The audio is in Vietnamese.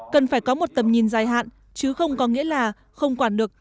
cần phải có một tầm nhìn dài hạn chứ không có nghĩa là không quản được